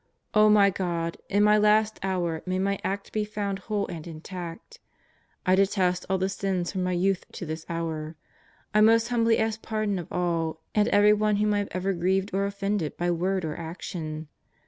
O my God, in my last hour may my act be found whole and intact. I detest all the sins from my youth to this hour. I most humbly ask pardon of all and everyone whom I have ever grieved or offended by word or action.